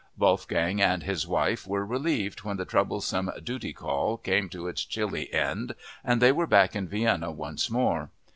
Wolfgang and his wife were relieved when the troublesome "duty call" came to its chilly end and they were back in Vienna once more.